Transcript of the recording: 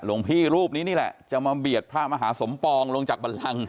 หลวงพี่รูปนี้นี่แหละจะมาเบียดพระมหาสมปองลงจากบันลัง